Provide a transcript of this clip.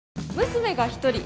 娘が１人。